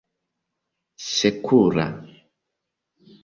sekura